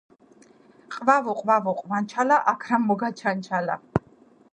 .ყვავო, ყვავო, ყვანჩალა, აქ რამ მოგაჩანჩალა?